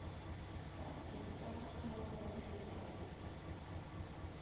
Саҭбеи дтәаамаауа уахь иҿааихеит.